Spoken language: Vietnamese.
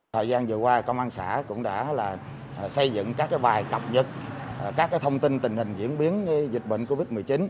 thời gian vừa qua công an xã cũng đã xây dựng các bài cập nhật các thông tin tình hình diễn biến dịch bệnh covid một mươi chín